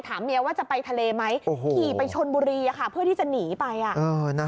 เมียว่าจะไปทะเลไหมขี่ไปชนบุรีเพื่อที่จะหนีไป